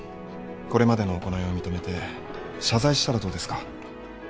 これまでの行いを認めて謝罪したらどうですか？